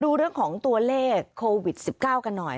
ดูเรื่องของตัวเลขโควิด๑๙กันหน่อย